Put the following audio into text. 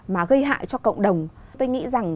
mà gây hại cho cộng đồng tôi nghĩ rằng